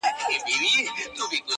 او وينه بهيږي او حالت خرابېږي-